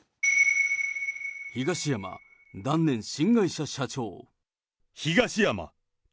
東山断念新会社社長。